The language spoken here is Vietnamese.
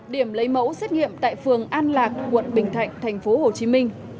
điểm lấy mẫu xét nghiệm tại phường an lạc quận bình thạnh tp hcm